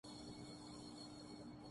وہ اپنے شوہر سے قریب کھڑی رہی